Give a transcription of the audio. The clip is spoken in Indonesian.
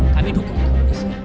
kami dukung bapak insya